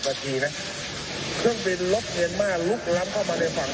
ประทีน่ะเครื่องบินรถเหญนมาลุ๊กล้ำเข้ามาในฝั่ง